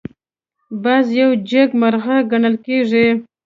باز یو جګمرغه ګڼل کېږي